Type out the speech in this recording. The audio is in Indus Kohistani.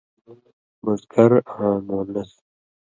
مذکر آں مؤنث